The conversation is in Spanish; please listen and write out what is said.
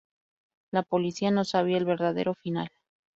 La policía no sabía el verdadero final.